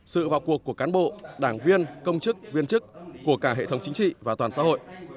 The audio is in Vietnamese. sự vào cuộc của cán bộ đảng viên công chức viên chức của cả hệ thống chính trị và toàn xã hội